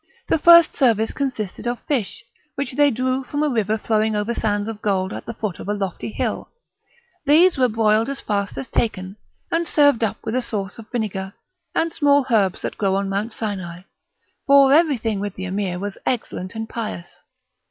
The first service consisted of fish, which they drew from a river flowing over sands of gold at the foot of a lofty hill; these were broiled as fast as taken, and served up with a sauce of vinegar, and small herbs that grow on Mount Sinai; for everything with the Emir was excellent and pious.